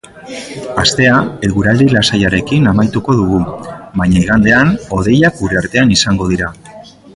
Astea eguraldi lasaiarekin amaituko dugu, baina igandean hodeiak gure artean izango dira.